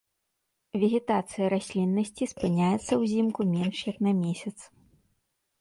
Вегетацыя расліннасці спыняецца ўзімку менш як на месяц.